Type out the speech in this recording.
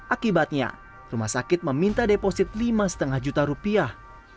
akibatnya rumah sakit meminta deposit lima lima juta rupiah